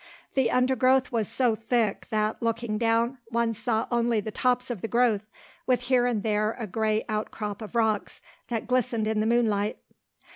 The undergrowth was so thick that, looking down, one saw only the tops of the growth, with here and there a grey outcrop of rocks that glistened in the moonlight.